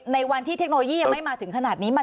ในวันที่เทคโนโลยียังไม่มาถึงขนาดนี้